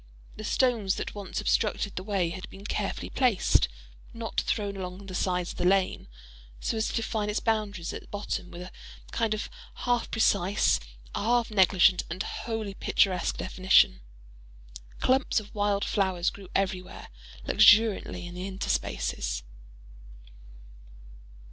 The stones that once obstructed the way had been carefully placed—not thrown—along the sides of the lane, so as to define its boundaries at bottom with a kind of half precise, half negligent, and wholly picturesque definition. Clumps of wild flowers grew everywhere, luxuriantly, in the interspaces.